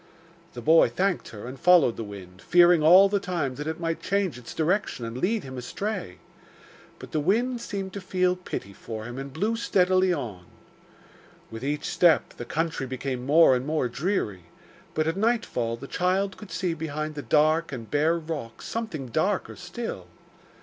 The boy thanked her, and followed the wind, fearing all the time that it might change its direction and lead him astray. But the wind seemed to feel pity for him and blew steadily on. With each step the country became more and more dreary, but at nightfall the child could see behind the dark and bare rocks something darker still.